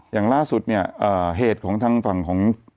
อย่างล่าสุดเนี่ยเหตุของทางฝั่งของ